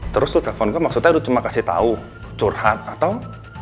terus lo telfon gua maksudnya lo cuma kasih tau curhat atau